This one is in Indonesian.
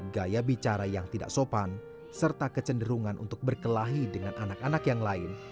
gaya bicara yang tidak sopan serta kecenderungan untuk berkelahi dengan anak anak yang lain